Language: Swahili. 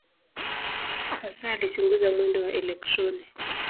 Hasa alichunguza mwendo wa elektroni.